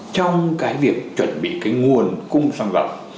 trong cái việc chuẩn bị cái nguồn cung xăng dầu